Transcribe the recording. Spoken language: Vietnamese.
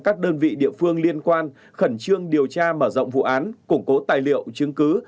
các đơn vị địa phương liên quan khẩn trương điều tra mở rộng vụ án củng cố tài liệu chứng cứ